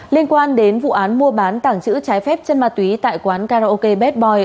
liên quan đến vụ án mua bán tảng chữ trái phép chân mặt túy tại quán karaoke bad boy